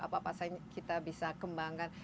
apa apa saja kita bisa kembangkan